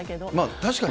確かにね。